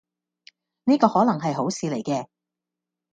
呢個可能係好事嚟嘅